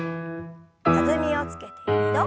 弾みをつけて２度。